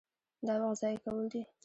دا وخت ضایع کول دي.